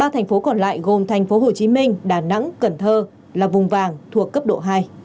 ba thành phố còn lại gồm thành phố hồ chí minh đà nẵng cần thơ là vùng vàng thuộc cấp độ hai